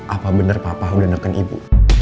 apa benar papa udah neken ibu